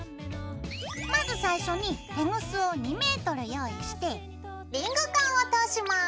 まず最初にテグスを２ｍ用意してリングカンを通します。